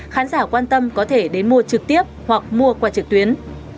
khán giả quan tâm có thể đến mua trực tiếp hoặc mua qua trực tuyến